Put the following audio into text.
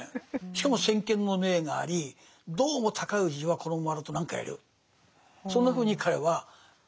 しかも先見の明がありどうも高氏はこのままだと何かやるそんなふうに彼は思っていて。